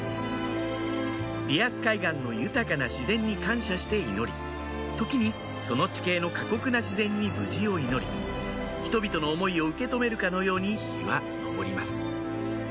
リアス海岸の豊かな自然に感謝して祈り時にその地形の過酷な自然に無事を祈り人々の思いを受け止めるかのように日は昇ります